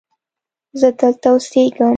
زه دلته اوسیږم.